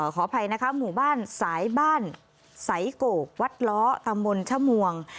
ขออภัยนะคะหมู่บ้านสายบ้านสายโกกวัดล้อตำบลชมวง